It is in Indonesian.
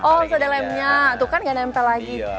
oh sudah ada lemnya tuh kan nggak nempel lagi